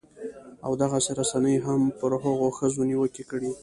او دغې رسنۍ هم پر هغو ښځو نیوکې کړې